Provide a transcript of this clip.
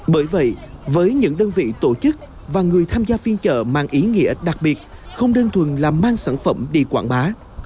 bởi vậy với những đơn vị tổ chức và người tham gia phiên chợ mang ý nghĩa đặc biệt không đơn thuần là mang sản phẩm đi quảng bá